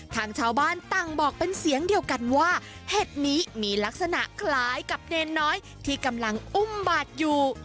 ทางชาวบ้านต่างบอกเป็นเสียงเดียวกันว่าเห็ดนี้มีลักษณะคล้ายกับเนรน้อยที่กำลังอุ้มบาดอยู่